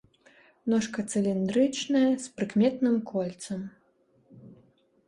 Ножка цыліндрычная, з прыкметным кольцам.